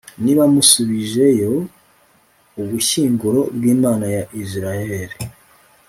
niba musubijeyo ubushyinguro bw'imana ya israheli